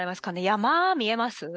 山見えます？